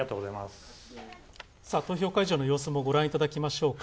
投票会場の様子もご覧いただきましょうか。